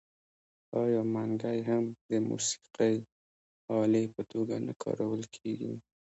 آیا منګی هم د موسیقۍ الې په توګه نه کارول کیږي؟